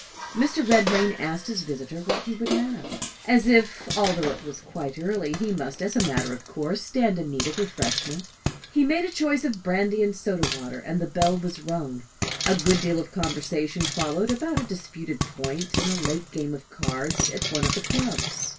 Mr. Redmain asked his visitor what he would have, as if, although it was quite early, he must, as a matter of course, stand in need of refreshment. He made choice of brandy and soda water, and the bell was rung. A good deal of conversation followed about a disputed point in a late game of cards at one of the clubs.